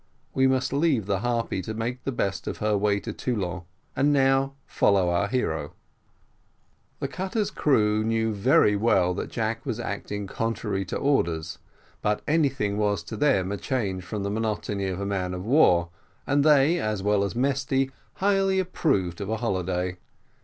We must leave the Harpy to make the best of her way to Toulon and now follow our hero. The cutter's crew knew very well that Jack was acting contrary to orders, but anything was to them a change from the monotony of a man of war; and they, as well as Mesty, highly approved of a holiday.